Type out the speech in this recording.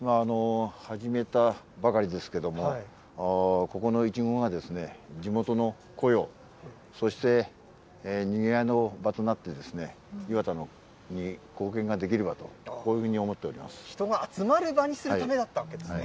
始めたばかりですけれども、ここのイチゴが地元の雇用、そしてにぎわいの場となってですね、磐田に貢献ができればと、人が集まる場にするためだったわけですね。